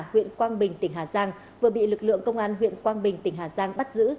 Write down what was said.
huyện quang bình tỉnh hà giang vừa bị lực lượng công an huyện quang bình tỉnh hà giang bắt giữ